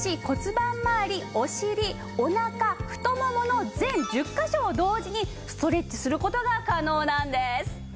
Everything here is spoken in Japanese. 骨盤まわりお尻おなか太ももの全１０カ所を同時にストレッチする事が可能なんです。